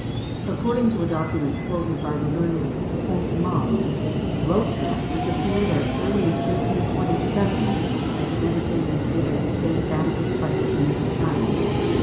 According to a document quoted by the learned Foncemagne, rope dancers appeared as early as 1327 at the entertainments given at state banquets by the kings of France.